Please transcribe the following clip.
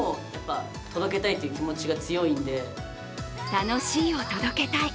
楽しいを届けたい。